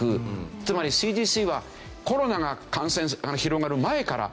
つまりＣＤＣはコロナが広がる前から。